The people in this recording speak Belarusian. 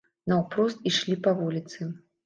Наўпрост ішлі па вуліцы.